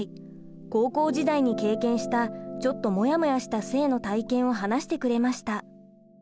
高校時代に経験したちょっとモヤモヤした性の体験を話してくれました。